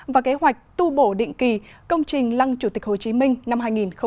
và kế hoạch tu bổ định kỳ công trình lăng chủ tịch hồ chí minh năm hai nghìn hai mươi